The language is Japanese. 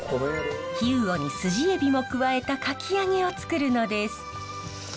氷魚にスジエビも加えたかき揚げをつくるのです。